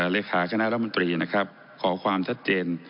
เลขาคณะรัฐมนตรีนะครับขอความชัดเจน